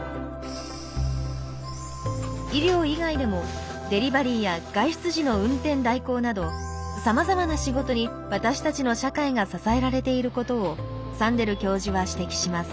医療以外でもデリバリーや外出時の運転代行などさまざまな仕事に私たちの社会が支えられていることをサンデル教授は指摘します。